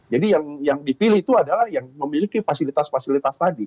jadi yang dipilih itu adalah yang memiliki fasilitas fasilitas tadi